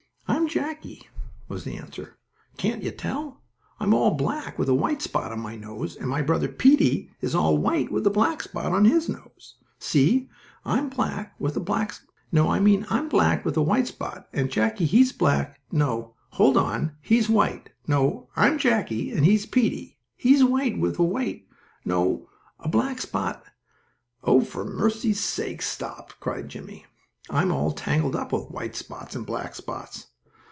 "I'm Jackie," was the answer. "Can't you tell? I'm all black with a white spot on my nose, and my brother, Peetie, is all white with a black spot on his nose. See? I'm black with a black spot no, I mean I'm black with a white spot, and Jackie he's black no, hold on he's white no, I'm Jackie, and he's Peetie he's white with a white no, a black spot " "Oh, for mercy sakes, stop!" cried Jimmie. "I'm all tangled up with white spots and black spots!"